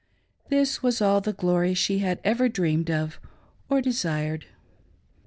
This was all the glory shg had ever dreamed of or desired.